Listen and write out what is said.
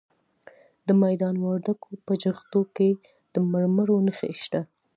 د میدان وردګو په جغتو کې د مرمرو نښې شته.